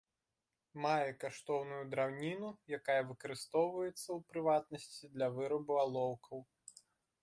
Мае каштоўную драўніну, якая выкарыстоўваецца, у прыватнасці, для вырабу алоўкаў.